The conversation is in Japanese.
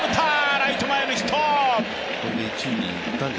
ライト前ヒット。